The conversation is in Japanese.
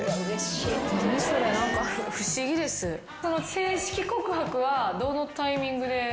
正式告白はどのタイミングで？